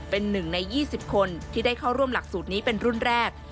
เป็นหนึ่งใน๒๐คนที่ได้เข้าร่วมหลักสูตรนี้เป็นรุ่นแรก